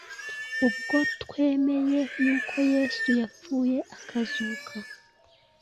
Ubwo twemeye yuko Yesu yapfuye, akazuka,